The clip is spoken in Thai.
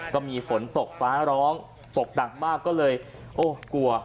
ก็มีฝนตกฟ้าร้องตกหนักมากก็เลยโอ้กลัว